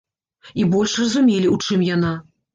І больш разумелі, у чым яна.